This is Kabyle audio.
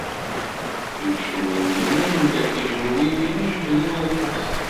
Imcumen ddmen-d ijenwiyen, jebden lqus.